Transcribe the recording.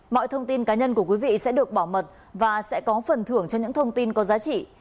mọi thông tin cá nhân của quý vị sẽ được bảo mật và sẽ có phần thưởng cho những thông tin có giá trị